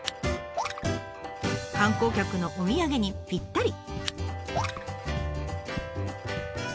観光客のお土産にぴったり。